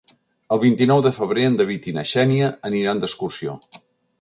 El vint-i-nou de febrer en David i na Xènia aniran d'excursió.